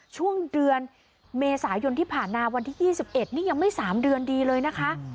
ช่วงเดือนเมษายนที่ผ่านมาวันที่๒๑นี่ยังไม่๓เดือนดีเลยนะคะ